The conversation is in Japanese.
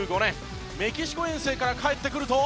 メキシコ遠征から帰ってくると。